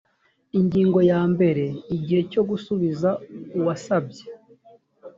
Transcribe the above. ingingo ya mbere igihe cyo gusubiza uwasabye